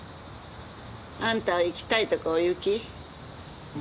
あんたは行きたいとこお行き。